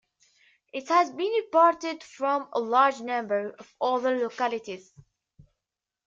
It has been reported from a large number of other localities.